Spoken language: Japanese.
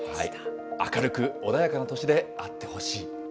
明るく穏やかな年であってほしい。